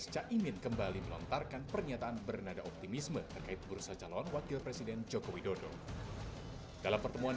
caimin menyebut posisi calon wakil presiden dari pkb adalah harga mati